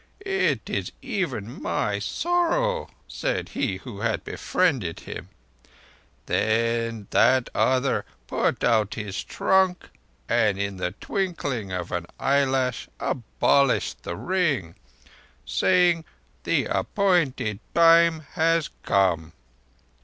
'It is even my sorrow,' said he who had befriended him. Then that other put out his trunk and in the twinkling of an eyelash abolished the ring, saying: 'The appointed time has come.